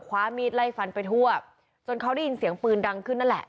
คว้ามีดไล่ฟันไปทั่วจนเขาได้ยินเสียงปืนดังขึ้นนั่นแหละ